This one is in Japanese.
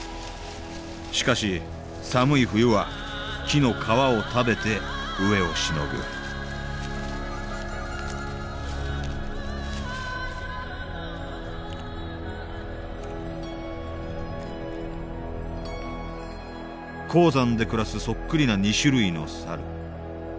しかし寒い冬は木の皮を食べて飢えをしのぐ高山で暮らすそっくりな２種類のサル。